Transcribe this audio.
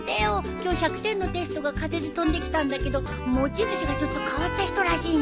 今日１００点のテストが風で飛んできたんだけど持ち主がちょっと変わった人らしいんだ。